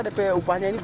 ada upahnya ini pak